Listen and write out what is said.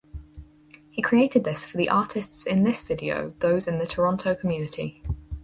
He created this for the artists in this video those in the Toronto community.